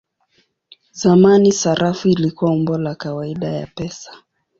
Zamani sarafu ilikuwa umbo la kawaida ya pesa.